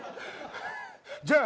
じゃあ。